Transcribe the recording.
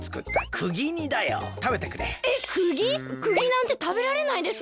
クギなんてたべられないです。